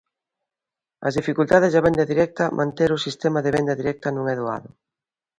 As dificultades da venda directa Manter o sistema de venda directa non é doado.